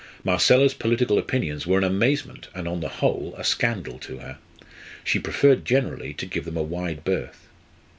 Marcella's political opinions were an amazement, and on the whole a scandal to her. She preferred generally to give them a wide berth.